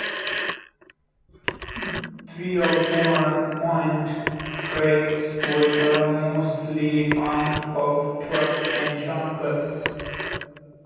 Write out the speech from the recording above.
Three of them are Point Crates, which are mostly found off track in shortcuts.